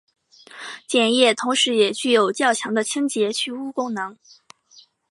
碱液同时也具有较强的清洁去污功能。